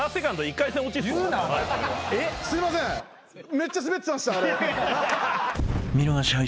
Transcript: めっちゃスベってましたあれ。